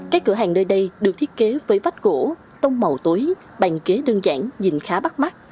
các cửa hàng nơi đây được thiết kế với vách gỗ tông màu tối bàn kế đơn giản nhìn khá bắt mắt